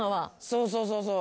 そうそうそうそう。